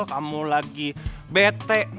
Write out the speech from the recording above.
kamu lagi bete